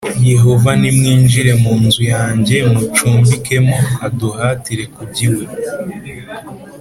Yehova nimwinjire mu nzu yanjye mucumbikemo k Aduhatira kujya iwe